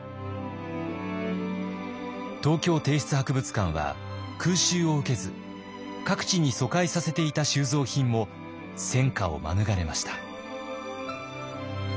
東京帝室博物館は空襲を受けず各地に疎開させていた収蔵品も戦火を免れました。